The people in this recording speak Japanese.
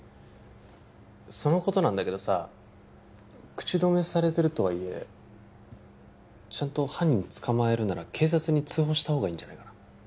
そのことなんだけどさ口止めされてるとはいえちゃんと犯人捕まえるなら警察に通報したほうがいいんじゃないかな